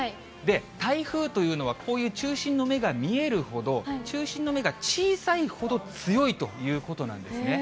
台風というのは、こういう中心の目が見えるほど、中心の目が小さいほど強いということなんですね。